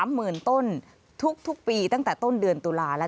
หมื่นต้นทุกปีตั้งแต่ต้นเดือนตุลาแล้ว